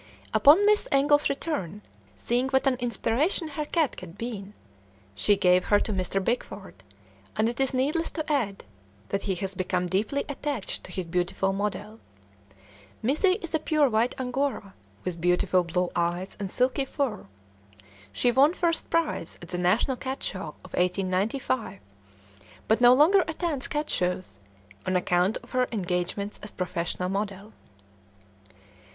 Upon Miss Engle's return, seeing what an inspiration her cat had been, she gave her to Mr. Bickford, and it is needless to add that he has become deeply attached to his beautiful model. Mizzi is a pure white Angora, with beautiful blue eyes, and silky fur. She won first prize at the National Cat Show of 1895, but no longer attends cat shows, on account of her engagements as professional model.